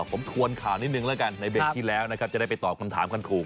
ผมทวนข่าวนิดนึงแล้วกันในเบรกที่แล้วนะครับจะได้ไปตอบคำถามกันถูก